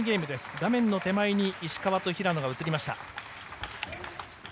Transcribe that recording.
画面の手前に石川と平野が移りました。